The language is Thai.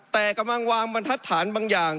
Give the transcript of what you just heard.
แต่กำลังวางบรรทัศนบางอย่าง